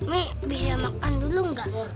mie bisa makan dulu gak